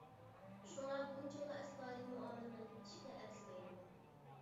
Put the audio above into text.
شۇڭا بۇنچىۋالا ئەستايىدىل مۇئامىلە قىلىپ كېتىشكە ئەرزىمەيدۇ.